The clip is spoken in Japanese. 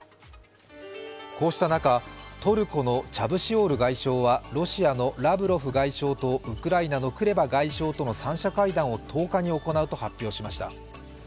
こうした中、トルコのチャブシオール外相は、ロシアのラブロフ外相とウクライナのクレバ外相との三者会談を１０日に行うと発表しました。